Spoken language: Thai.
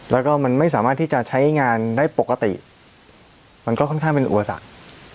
แล้วก็มันไม่สามารถที่จะใช้งานได้ปกติมันก็ค่อนข้างเป็นอุปสรรค